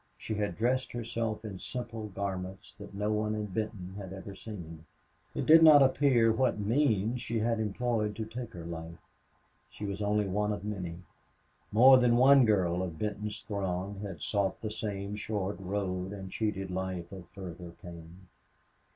She had dressed herself in simple garments that no one in Benton had ever seen. It did not appear what means she had employed to take her life. She was only one of many. More than one girl of Benton's throng had sought the same short road and cheated life of further pain.